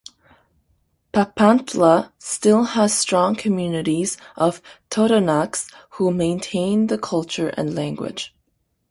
Papantla still has strong communities of Totonacs who maintain the culture and language.